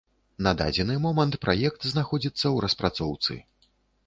На дадзены момант праект знаходзіцца ў распрацоўцы.